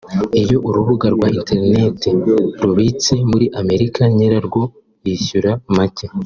Iyo Urubuga rwa Internet rubitse muri Amerika nyirarwo yishyura make